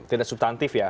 tidak subtantif ya